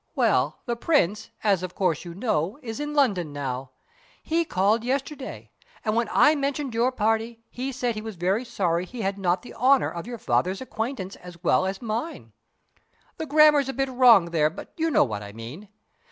Well, the Prince, as of course you know, is in London now. He called yesterday, and when I mentioned your party, he said he was very sorry he had not the honour of your father's acquaintance as well as mine. The grammar's a bit wrong there, but you know what I mean.